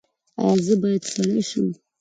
ایا زه باید سړی شم؟